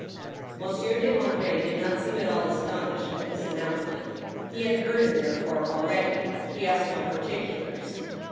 Monsieur de Monterey did not seem at all astonished at this an nouncement. He had beard it, therefore, already. He asked no particulars.